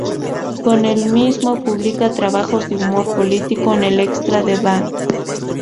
Con el mismo, publica trabajos de humor político en el extra de "Bang!